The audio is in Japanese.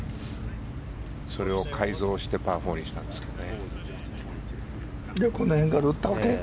それを改造してパー４にしたんですよね。